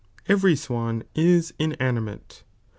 swan, inanimate.